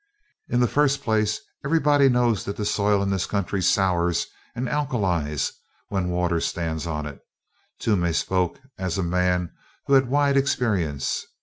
"In the first place, everybody knows that the soil in this country sours and alkalies when water stands on it." Toomey spoke as a man who had wide experience.